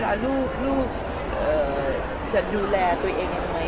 แล้วลูกจะดูแลตัวเองยังไง